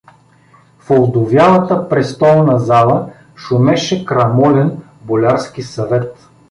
В овдовялата престолна зала шумеше крамолен болярски съвет.